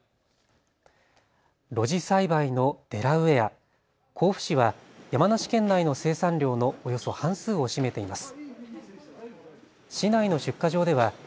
露地栽培のデラウエア、甲府市は山梨県内の生産量のおよそ半数を占めています。